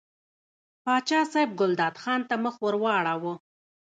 پاچا صاحب ګلداد خان ته مخ ور واړاوه.